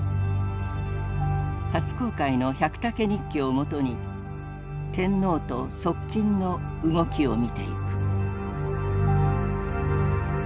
初公開の「百武日記」をもとに天皇と側近の動きを見ていく。